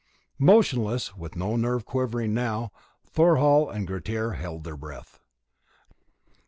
Motionless, with no nerve quivering now, Thorhall and Grettir held their breath.